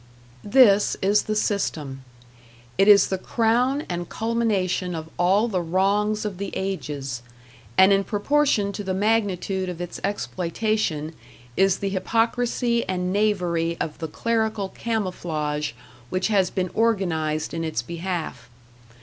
This is the system. It is the crown and culmination of all the wrongs of the ages; and in proportion to the magnitude of its exploitation, is the hypocrisy and knavery of the clerical camouflage which has been organized in its behalf.